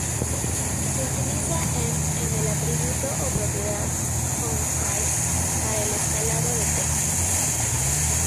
Se utiliza em en el atributo o propiedad "font-size" para el escalado de texto.